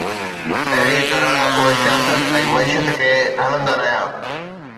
اهڙيءَ طرح اهي سياست ۽ معيشت کي هلندا رهيا.